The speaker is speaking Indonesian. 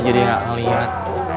oh jadi gak ngeliat